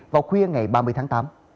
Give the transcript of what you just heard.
vào khuya ngày ba mươi tháng tám